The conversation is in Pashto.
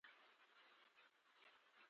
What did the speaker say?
پنېر له وچو میوو سره هم خوړل کېږي.